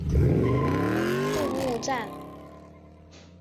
布目站。